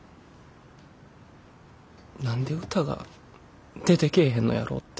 何で歌が出てけえへんのやろって。